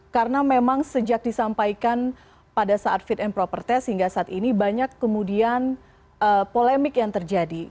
karena memang sejak disampaikan pada saat fit and proper test hingga saat ini banyak kemudian polemik yang terjadi